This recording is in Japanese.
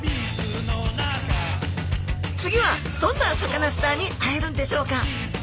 次はどんなサカナスターに会えるんでしょうか？